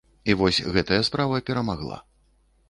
І вось гэтая справа перамагла.